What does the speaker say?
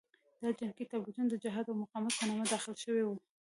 دا جنګي تابلیتونه د جهاد او مقاومت په نامه داخل شوي وو.